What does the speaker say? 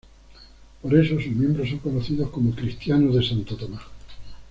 Por eso sus miembros son conocidos como cristianos de Santo Tomás.